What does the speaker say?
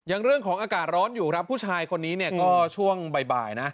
เรื่องของอากาศร้อนอยู่ครับผู้ชายคนนี้เนี่ยก็ช่วงบ่ายนะ